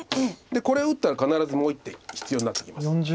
これ打ったら必ずもう１手必要になってきます。